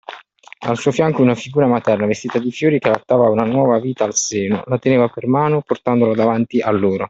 Al suo fianco una figura materna, vestita di fiori, che allattava una nuova vita al seno, la teneva per mano, portandola dinanzi a loro.